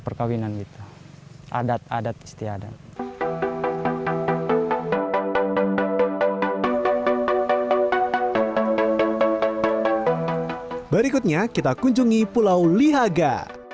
perkawinan kita adat adat istiadat berikutnya kita kunjungi pulau lihaga